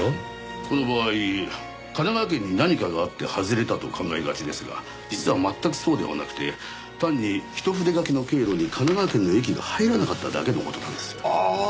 この場合神奈川県に何かがあって外れたと考えがちですが実は全くそうではなくて単に一筆書きの経路に神奈川県の駅が入らなかっただけの事なんです。ああ！